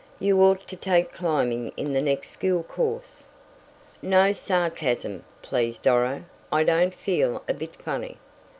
"You ought to take climbing in the next school course." "No sarcasm now, please, Doro. I don't feel a bit funny."